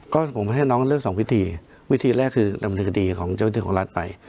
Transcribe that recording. ก็ผมไปให้น้องเลือกสองวิธีวิธีแรกคือดำเนินคดีของเจ้าที่ของรัฐไป